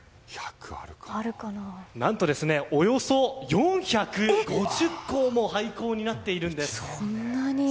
何とおよそ４７０校も廃校になっているんです。